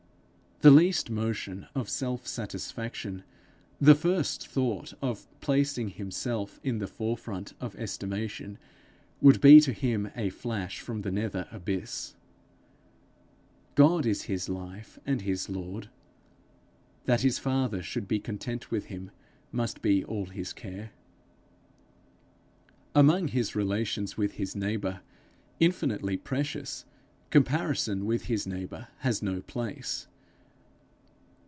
The least motion of self satisfaction, the first thought of placing himself in the forefront of estimation, would be to him a flash from the nether abyss. God is his life and his lord. That his father should be content with him must be all his care. Among his relations with his neighbour, infinitely precious, comparison with his neighbour has no place.